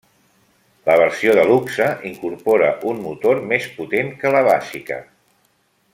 La versió de luxe incorpora un motor més potent que la bàsica.